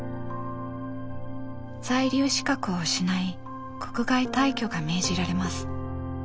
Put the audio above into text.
在留資格を失い国外退去が命じられます。